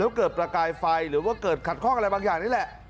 แล้วเกิดประกายไฟหรือว่าเกิดขัดข้องอะไรบางอย่างนี่แหละ